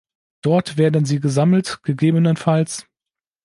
Dort werden sie gesammelt, ggf.